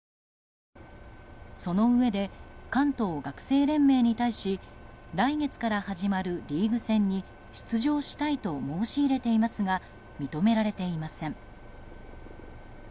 そのうえで、関東学生連盟に対し来月から始まるリーグ戦に出場したいと申し入れていますが認められていません。